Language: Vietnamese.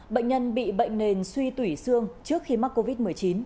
bệnh nhân bị bệnh nền suy tủy xương trước khi mắc covid một mươi chín